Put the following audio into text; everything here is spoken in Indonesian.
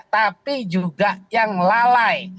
tapi juga yang lalai